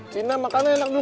cina makannya enak dulu